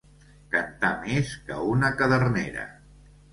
Cantar més que una cadernera.